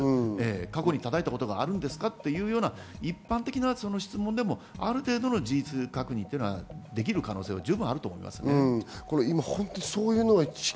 過去に叩いたことがあるんですか？というような一般的な質問でもある程度の事実確認はできる可能性が十分あると思います。